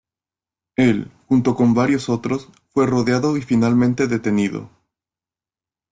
Él, junto con varios otros, fue rodeado y finalmente detenido.